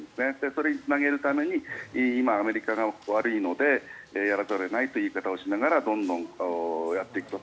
それにつなげるために今、アメリカが悪いのでやらざるを得ないという言い方をしながらどんどんやっていくと。